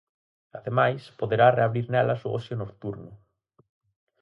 Ademais, poderá reabrir nelas o ocio nocturno.